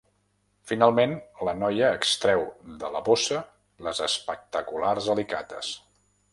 Finalment, la noia extreu de la bossa les espectaculars alicates.